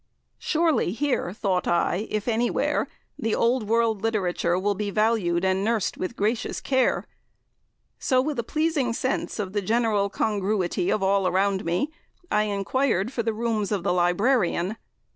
Surely here, thought I, if anywhere, the old world literature will be valued and nursed with gracious care; so with a pleasing sense of the general congruity of all around me, I enquired for the rooms of the librarian.